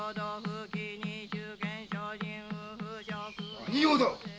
何用だっ？